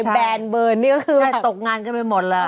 แบรนด์เบิร์นที่ก็คือการตกงานก็ไปหมดแล้ว